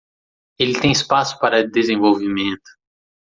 Ele tem espaço para desenvolvimento